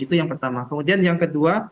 itu yang pertama kemudian yang kedua